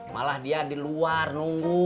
malah dia di luar nunggu